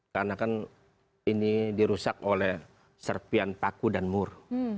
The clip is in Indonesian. karena kan ini dirusak oleh serpian paku dan mur